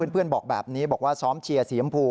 เพื่อนบอกแบบนี้บอกว่าซ้อมเชียร์สียำพู